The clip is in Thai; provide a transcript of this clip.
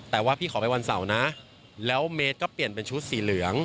แต่ว่าพี่ขอไปวันเสาร์นะแล้วเมตรก็เปลี่ยนเป็นชุดสีเหลือง